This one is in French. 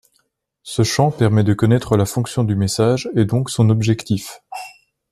Ce champ permet de connaître la fonction du message et donc son objectif.